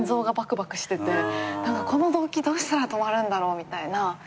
この動悸どうしたら止まるんだろう？みたいな。